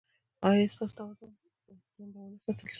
ایا ستاسو توازن به و نه ساتل شي؟